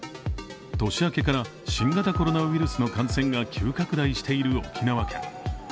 年明けから新型コロナウイルスの感染が急拡大している沖縄県。